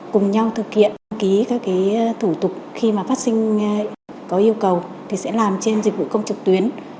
cùng nhau thực hiện đăng ký các thủ tục khi mà phát sinh có yêu cầu thì sẽ làm trên dịch vụ công trực tuyến